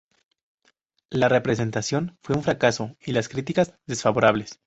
La representación fue un fracaso y las críticas desfavorables.